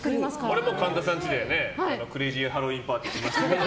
俺は神田さん家でクレイジーハロウィーンパーティーをしましたから。